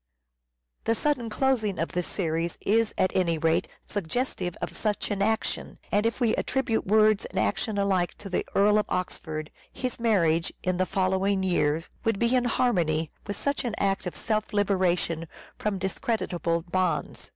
The sudden closing of the series is at any rate suggestive of such an action, and if we attribute words and action alike to the Earl of Oxford, his marriage, in the following year, would be in harmony with such an act of self liberation from discreditable bonds.